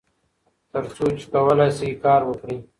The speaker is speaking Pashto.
تر څو چې کولای شئ کار وکړئ.